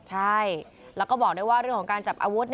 ใช่แล้วก็บอกด้วยว่าเรื่องของการจับอาวุธ